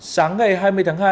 sáng ngày hai mươi tháng hai